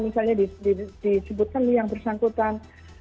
misalnya disebutkan yang bersangkutan